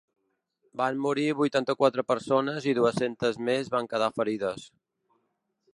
Van morir vuitanta-quatre persones i dues-centes més van quedar ferides.